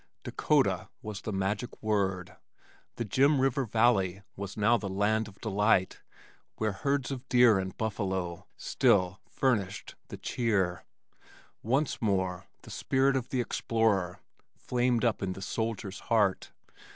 DAKOTA was the magic word. The "Jim River Valley" was now the "land of delight," where "herds of deer and buffalo" still "furnished the cheer." Once more the spirit of the explorer flamed up in the soldier's heart.